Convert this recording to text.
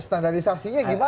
standarisasi nya gimana